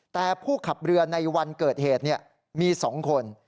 แต่ผู้ขับเรือในวันเกิดเหตุมี๒คน